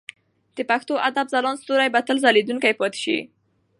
د پښتو ادب ځلانده ستوري به تل ځلېدونکي پاتې شي.